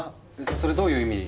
それどういう意味？